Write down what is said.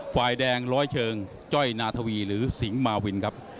ฝ่ายแดงร้อยเชิงจ้อยนาธวีหรือสิงหมาวินครับ